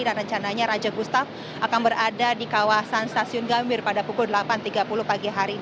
dan rencananya raja gustav akan berada di kawasan stasiun gambit pada pukul delapan tiga puluh pagi hari ini